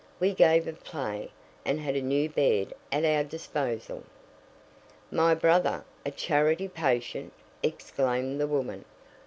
We gave a play, and had a new bed at our disposal." "My brother a charity patient!" exclaimed the woman.